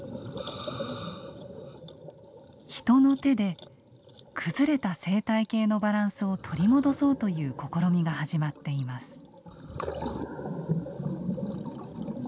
人の手で崩れた生態系のバランスを取り戻そうという試みが始まっています。